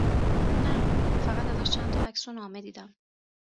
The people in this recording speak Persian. نه، فقط ازش چند تا عکس و نامه دیدم